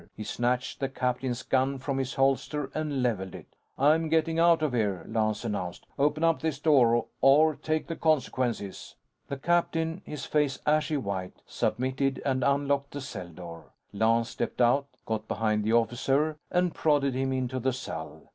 He snatched the captain's gun from his holster and leveled it. "I'm getting out of here," Lance announced. "Open up this door or take the consequences!" The captain, his face ashy white, submitted and unlocked the cell door. Lance stepped out, got behind the officer, and prodded him into the cell.